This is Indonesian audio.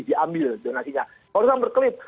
diambil donasinya kalau itu kan berkelip